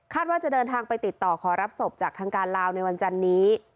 ว่าจะเดินทางไปติดต่อขอรับศพจากทางการลาวในวันจันนี้